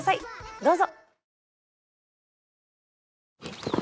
どうぞ。